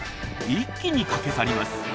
一気に駆け去ります。